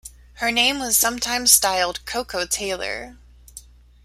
Her name was sometimes styled KoKo Taylor.